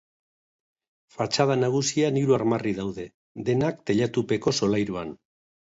Fatxada nagusian hiru armarri daude, denak teilatupeko solairuan.